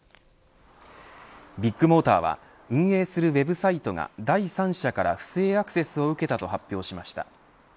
ビッグモーターは運営するウェブサイトが第三者から不正アクセスを受けたと発表しました。